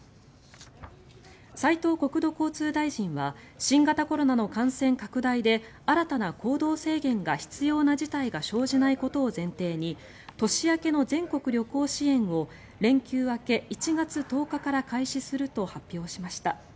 斉藤国土交通大臣は新型コロナの感染拡大で新たな行動制限が必要な事態が生じないことを前提に年明けの全国旅行支援を連休明け、１月１０日から開始すると発表しました。